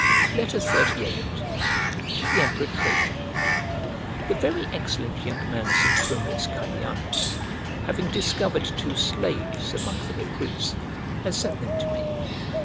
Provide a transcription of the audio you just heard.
XXXVIII To THE EMPEROR TRAJAN THE very excellent young man Sempronius Caelianus, having discovered two slaves among the recruits, has sent them to me.